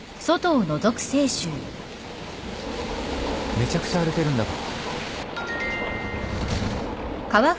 めちゃくちゃ荒れてるんだが。